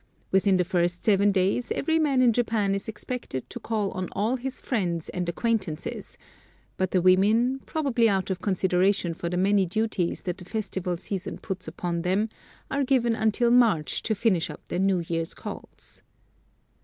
Within the first seven days every man in Japan is expected to call on all his friends and acquaintances, but the women, probably out of consideration for the many duties that the festival season puts upon them, are given until March to finish up their New Year's calls.